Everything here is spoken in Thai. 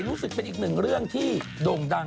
รู้สึกเป็นอีกหนึ่งเรื่องที่โด่งดัง